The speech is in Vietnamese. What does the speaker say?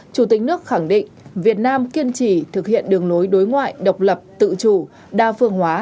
chủ tịch nước khẳng định việt nam kiên trì thực hiện đường lối đối ngoại độc lập tự chủ đa phương hóa